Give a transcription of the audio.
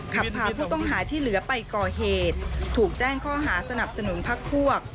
ขับพาผู้ต้องหาที่เหลือไปก่อเหตุถูกแจ้งข้อหาสนับสนุนพักพวก